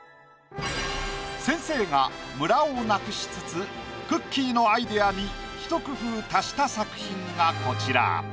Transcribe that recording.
先生がムラをなくしつつくっきー！のアイディアにひと工夫足した作品がこちら。